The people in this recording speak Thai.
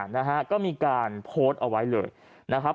นะฮะก็มีการโพสต์เอาไว้เลยนะครับ